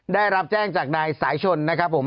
ได้รับแจ้งจากนายสายชนนะครับผม